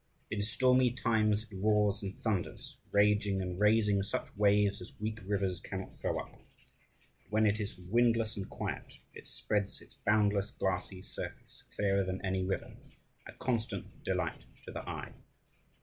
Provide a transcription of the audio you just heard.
In stormy times it roars and thunders, raging, and raising such waves as weak rivers cannot throw up; but when it is windless and quiet, it spreads its boundless glassy surface, clearer than any river, a constant delight to the eye.